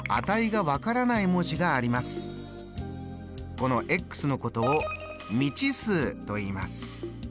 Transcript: こののことを未知数といいます。